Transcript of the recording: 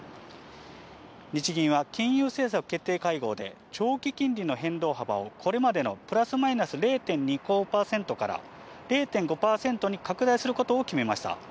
日銀は金融政策決定会合で、長期金利の変動幅をこれまでのプラスマイナス０．２５％から、０．５％に拡大することを決めました。